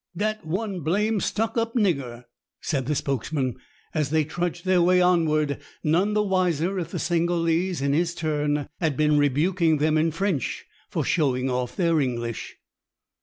"Dat one blame stuck up nigger," said the spokesman, as they trudged their way onward, none the wiser if the Senegalese, in his turn, had been rebuking them in French for showing off their English.